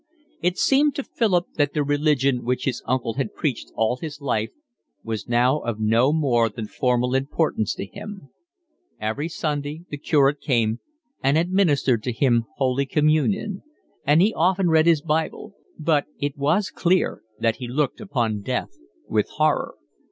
It seemed to Philip that the religion which his uncle had preached all his life was now of no more than formal importance to him: every Sunday the curate came and administered to him Holy Communion, and he often read his Bible; but it was clear that he looked upon death with horror.